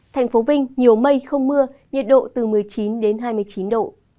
thành phố vinh nhiều mây không mưa nhà độ từ một mươi chín hai mươi chín độ